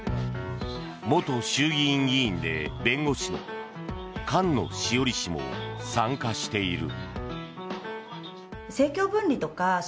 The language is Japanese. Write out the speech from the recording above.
元衆議院議員で弁護士の菅野志桜里氏も参加している。